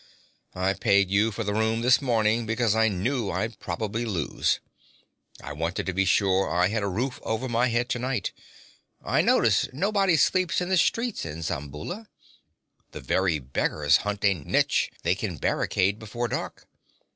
I paid you for the room this morning, because I knew I'd probably lose. I wanted to be sure I had a roof over my head tonight. I notice nobody sleeps in the streets in Zamboula. The very beggars hunt a niche they can barricade before dark.